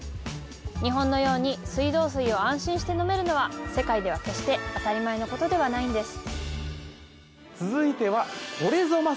日本のように水道水を安心して飲めるのは世界では決して当たり前のことではないんです